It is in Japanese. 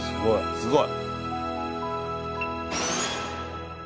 すごい！